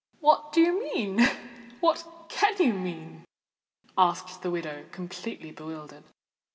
"What do you mean? what can you mean?" asked the widow, completely bewildered.